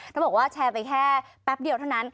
เขาบอกว่าแชร์ไปแค่แป๊บเดียวเท่านั้น